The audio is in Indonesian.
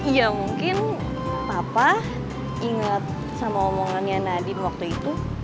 ya mungkin papa inget sama omongannya nadiem waktu itu